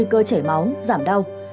cơ chảy máu giảm đau